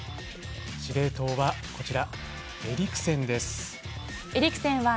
司令塔はこちらエリクセンです。